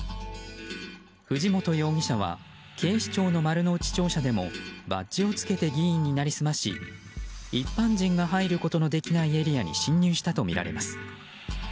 藤本容疑者は警視庁の丸の内庁舎でもバッジをつけて議員に成り済まし一般人が入ることのできないエリアに侵入したとみられます。